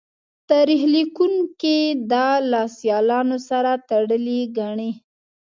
تاریخ لیکوونکي دا له سیالانو سره تړلې ګڼي